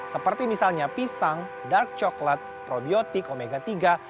seperti misalnya pisang dark coklat probiotik omega tiga